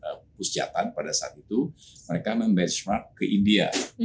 dan pusjatan pada saat itu mereka membenchmark ke india